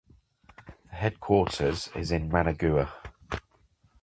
The headquarters is in Managua.